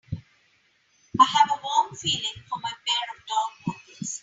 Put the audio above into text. I have a warm feeling for my pair of dogwalkers.